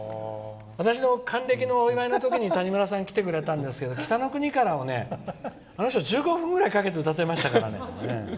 私の還暦のお祝いの時に谷村さんが来てくれたんですけど「北の国から」をあの人、１５分ぐらいかけて歌ってましたからね。